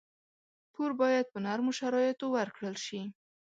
پور باید په نرمو شرایطو ورکړل شي.